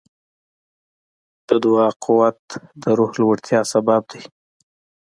د دعا قوت د روح لوړتیا سبب دی.